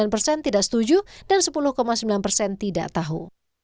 sembilan persen tidak setuju dan sepuluh sembilan persen tidak tahu